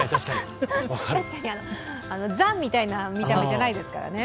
ザみたいな見た目じゃないですからね。